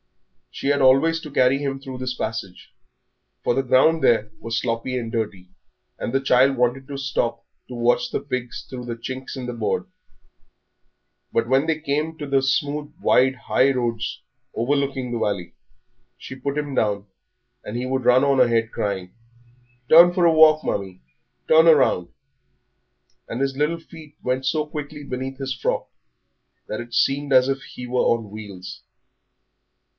She had always to carry him through this passage, for the ground there was sloppy and dirty, and the child wanted to stop to watch the pigs through the chinks in the boards. But when they came to the smooth, wide, high roads overlooking the valley, she put him down, and he would run on ahead, crying, "Turn for a walk, Mummie, turn along," and his little feet went so quickly beneath his frock that it seemed as if he were on wheels.